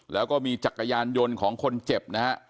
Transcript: แล้วก็มีจักรยานยนต์ของคนเจ็บนะฮะ